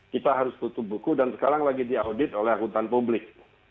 kita harus tutup buku dan sekarang lagi diaudit oleh akuntan publik